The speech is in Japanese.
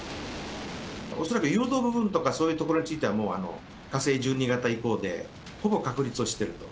恐らく誘導部分とかそういう所については、もう火星１２型以降でほぼ確立をしていると。